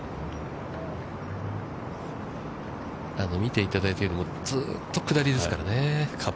見ていただいても、ずっと下りですからね。